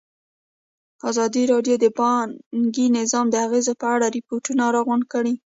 ازادي راډیو د بانکي نظام د اغېزو په اړه ریپوټونه راغونډ کړي.